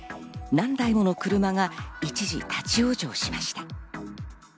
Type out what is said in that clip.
何台もの車が一時、立ち往生しました。